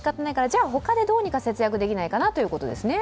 じゃあほかでどうにか節約できないかなということですね。